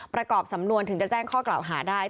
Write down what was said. ประกอบสำนวนถึงจะแจ้งข้อกล่าวหาได้